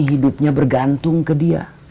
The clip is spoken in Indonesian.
hidupnya bergantung ke dia